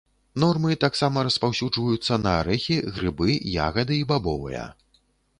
Нормы таксама распаўсюджваюцца на арэхі, грыбы, ягады і бабовыя.